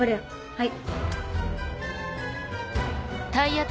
はい。